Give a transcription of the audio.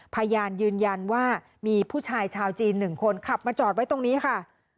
พยานยืนยันว่ามีผู้ชายชาวจีน๑คนขับมาจอดไว้ตรงนี้ค่ะ